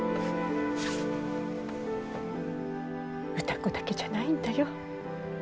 歌子だけじゃないんだよ。